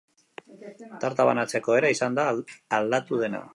Tarta banatzeko era izan da aldatu dena.